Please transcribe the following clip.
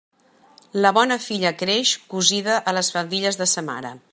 La bona filla creix cosida a les faldilles de sa mare.